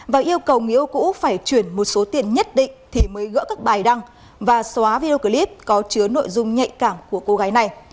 và yêu cầu người yêu cũ phải chuyển một số tiền nhất định thì mới gỡ các bài đăng và xóa video clip có chứa nội dung nhạy cảm của cô gái này